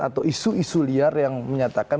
atau isu isu liar yang menyatakan